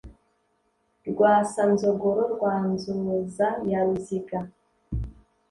rwasa-nzogoro rwa nzoza ya ruziga